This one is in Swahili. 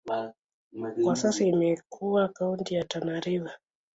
Kwa sasa imekuwa kaunti ya Tana River.